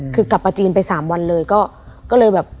คือกลับมาจีนไป๓วันเลยก็เลยแบบ